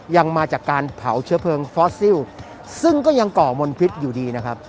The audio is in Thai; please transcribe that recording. ยังมาจากการเผาเชื้อเพลิงฟอสซิลซึ่งก็ยังก่อมลพิษอยู่ดีนะครับ